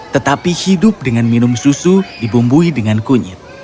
tetapi hidup dengan minum susu dibumbui dengan kunyit